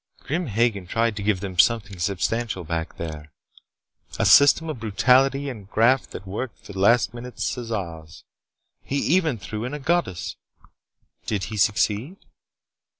Grim Hagen tried to give them something substantial back there: A system of brutality and graft that worked for the last minute Caesars. He even threw in a goddess. Did he succeed?"